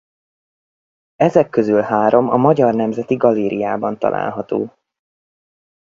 Ezek közül három a Magyar Nemzeti Galériában található.